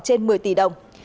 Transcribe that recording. khoảng trên một mươi tỷ đồng